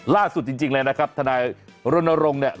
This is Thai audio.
จริงเลยนะครับทนายรณรงค์เนี่ย